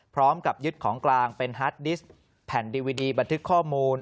พร้อมกับยึดของกลางเป็นฮาร์ดดิสต์แผ่นดิวิดีบันทึกข้อมูล